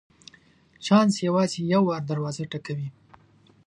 چانس یوازي یو وار دروازه ټکوي .